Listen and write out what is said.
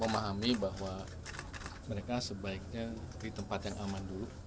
memahami bahwa mereka sebaiknya di tempat yang aman dulu